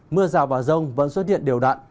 mưa rào vào rông vẫn xuất hiện điều đặn